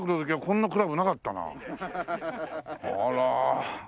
あら。